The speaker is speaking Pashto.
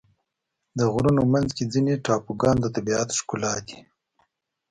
د غرونو منځ کې ځینې ټاپوګان د طبیعت ښکلا دي.